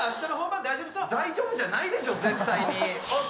大丈夫じゃないでしょ、絶対に。